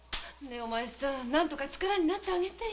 ねぇ何とか力になってあげて。